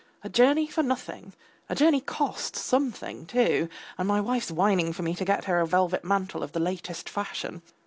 A journey for nothing; a journey costs something, too, and my wife's whining for me to get her a velvet mantle of the latest fashion.